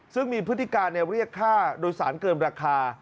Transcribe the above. ซึ่งมีพฤติการเรียกค่าโดยสารเกินราคา